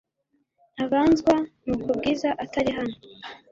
Ntangazwa nuko Bwiza atari hano .